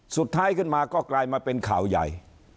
สุดท้ายขึ้นมาก็กลายมาเป็นข่าวใหญ่